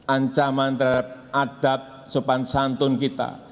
ancaman terhadap adab sopan santun kita